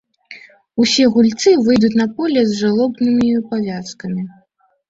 Усе гульцы выйдуць на поле з жалобнымі павязкамі.